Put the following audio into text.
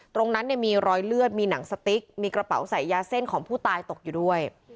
ตรงนั้นเนี่ยมีรอยเลือดมีหนังสติ๊กมีกระเป๋าใส่ยาเส้นของผู้ตายตกอยู่ด้วย